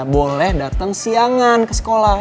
boleh datang siangan ke sekolah